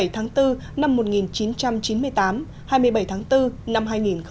hai mươi tháng bốn năm một nghìn chín trăm chín mươi tám hai mươi bảy tháng bốn năm hai nghìn một mươi chín